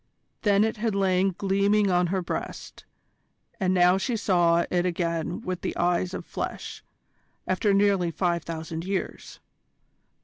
Then it had lain gleaming on her breast, and now she saw it again with the eyes of flesh, after nearly five thousand years.